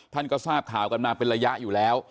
ท่านก็ทราบข่าวกันมาเป็นระยะอยู่แล้ว